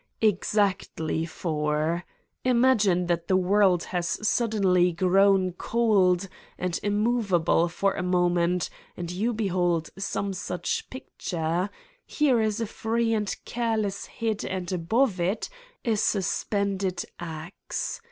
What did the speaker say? Exactly four. Imagine that the world has suddenly grown cold and immovable for a moment and you behold some such picture: here is a free and careless head and above it a sus pended axe.